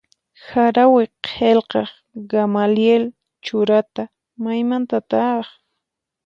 Harawi qillqaq Gamaliel Churata maymantataq?